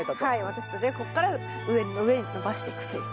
私たちがこっから上に上に伸ばしていくという。